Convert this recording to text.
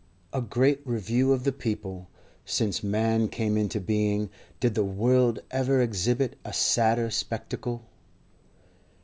A great review of the People. Since man came into being did the world ever exhibit a sadder spectacle?